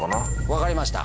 分かりました。